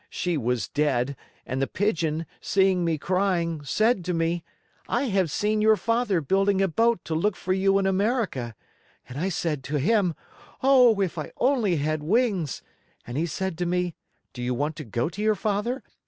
She was dead, and the Pigeon, seeing me crying, said to me, 'I have seen your father building a boat to look for you in America,' and I said to him, 'Oh, if I only had wings!' and he said to me, 'Do you want to go to your father?